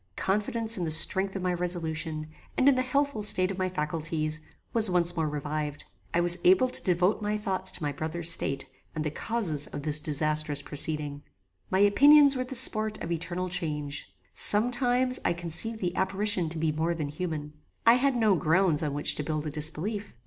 Confidence in the strength of my resolution, and in the healthful state of my faculties, was once more revived. I was able to devote my thoughts to my brother's state, and the causes of this disasterous proceeding. My opinions were the sport of eternal change. Some times I conceived the apparition to be more than human. I had no grounds on which to build a disbelief.